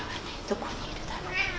どこにいるだろう。